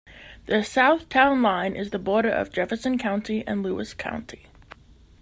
The south town line is the border of Jefferson County and Lewis County.